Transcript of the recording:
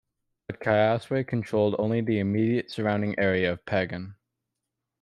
But Kyawswa controlled only the immediate surrounding area of Pagan.